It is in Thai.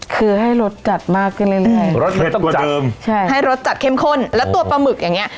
คือให้รสจัดมากขึ้นเรื่อยเรื่อยต้องเจิมใช่ให้รสจัดเข้มข้นแล้วตัวปลาหมึกอย่างเงี้